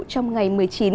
trong ngày một mươi chín